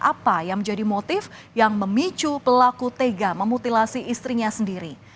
apa yang menjadi motif yang memicu pelaku tega memutilasi istrinya sendiri